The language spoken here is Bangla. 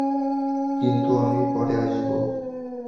কিন্তু আমি পরে আসবো।